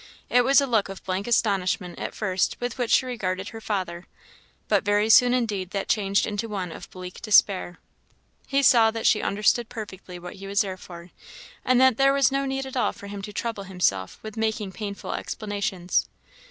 It was a look of blank astonishment at first with which she regarded her father, but very soon indeed that changed into one of bleak despair. He saw that she understood perfectly what he was there for, and that there was no need at all for him to trouble himself with making painful explanations.